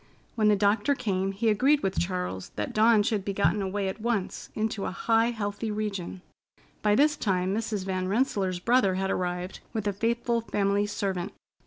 When the doctor came he agreed with Charles that Dawn should be gotten away at once into a high, healthy region. By this time Mrs. Van Rensselaer's brother had arrived with a faithful family servant.